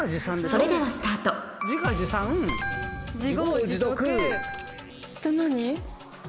それではスタートあと何？